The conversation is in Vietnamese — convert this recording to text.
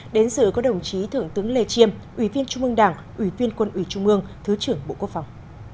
đến dự có đồng chí thượng tướng lê chiêm ủy viên trung ương đảng ủy viên quân ủy trung mương thứ trưởng bộ quốc phòng